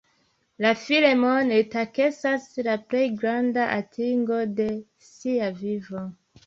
La filmon li taksas la plej granda atingo de sia vivo.